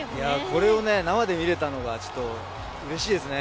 これは生で見れたのはうれしいです。